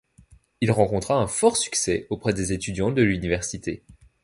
Il rencontra un fort succès auprès des étudiants de l'université.